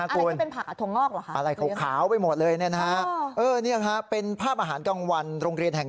คุณสูตรสักคุณถ้าเกิดโภชนาการต้องมีผักอันนั้นมีอะไรอ่ะ